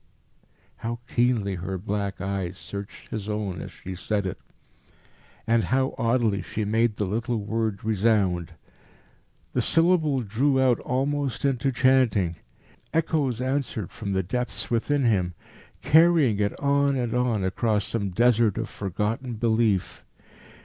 How keenly her black eyes searched his own as she said it, and how oddly she made the little word resound. The syllable drew out almost into chanting. Echoes answered from the depths within him, carrying it on and on across some desert of forgotten belief.